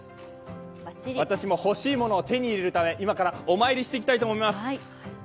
私も欲しいものを手に入れるため、お参りしていきたいと思います。